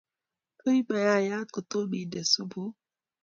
Tui mayayat kotom inde supuk.